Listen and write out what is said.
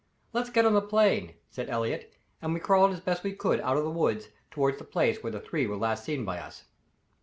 "Let's get on the plain," said Elliott, and we crawled as best we could out of the woods toward the place where the three were last seen by us.